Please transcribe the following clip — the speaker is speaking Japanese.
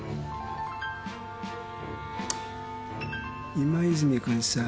今泉君さ。